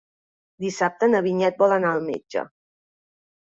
Dissabte na Vinyet vol anar al metge.